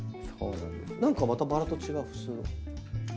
何かまたバラと違う気する。